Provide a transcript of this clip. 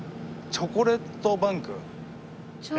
チョコレートバンク！